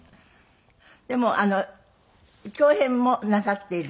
でも共演もなさっている？